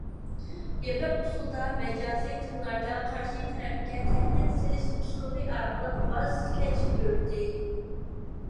يېپىق ئۇسۇلدا، مەجازىي تىللاردا قارشى تەرەپكە تەھدىت سېلىش ئۇسۇلى ئارقىلىق ۋاز كەچتۈردى.